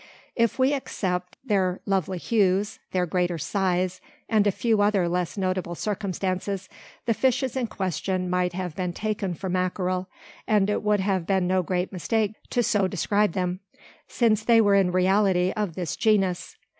If we except their lovely hues, their greater size, and a few other less notable circumstances, the fishes in question might have been taken for mackerel; and it would have been no great mistake to so describe them: since they were in reality of this genus.